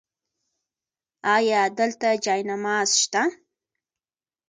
ایا دلته جای نماز شته؟